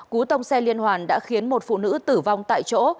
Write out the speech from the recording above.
cú tông xe liên hoàn đã khiến một phụ nữ tử vong tại chỗ